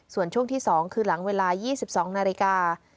ส่วนช่วงที่๒คือหลังเวลา๒๒นาฬิกา